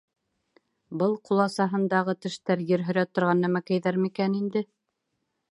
Был ҡуласаһындағы тештәр ер һөрә торған нәмәкәйҙәр микән инде?..